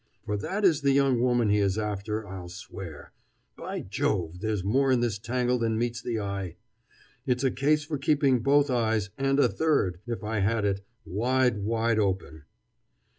"For that is the young woman he is after, I'll swear. By Jove, there's more in this tangle than meets the eye. It's a case for keeping both eyes, and a third, if I had it, wide, wide open!"